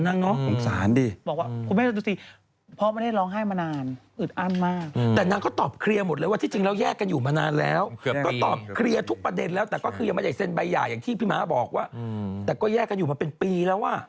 อ๋อนั่งร้องไห้เลยเหรอสงสารนั่งเนาะ